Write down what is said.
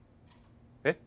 えっ？